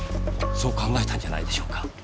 そう考えたんじゃないでしょうか？